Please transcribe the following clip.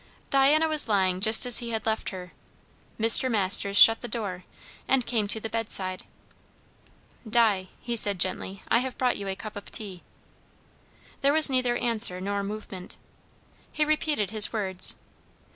Diana was lying just as he had left her. Mr. Masters shut the door, and came to the bedside. "Di," said he gently, "I have brought you a cup of tea." There was neither answer nor movement. He repeated his words.